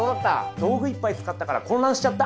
道具いっぱい使ったから混乱しちゃった。